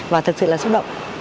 và thật sự là xúc động